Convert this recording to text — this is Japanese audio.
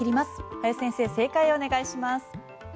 林先生、正解をお願いします。